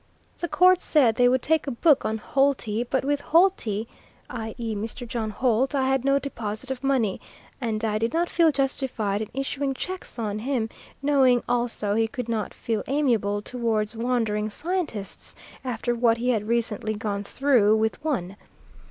The Court said they would take a book on Holty, but with Holty i.e. Mr. John Holt, I had no deposit of money, and I did not feel justified in issuing cheques on him, knowing also he could not feel amiable towards wandering scientists, after what he had recently gone through with one.